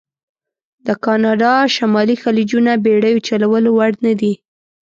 د کانادا شمالي خلیجونه بېړیو چلولو وړ نه دي.